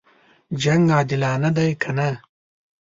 جنګ عادلانه دی کنه.